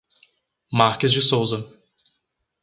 Marques de Souza